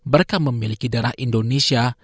mereka memiliki darah indonesia